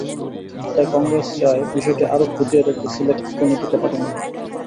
তাই কংগ্রেস চায়, বিষয়টি আরও খতিয়ে দেখতে সিলেক্ট কমিটিতে পাঠানো হোক।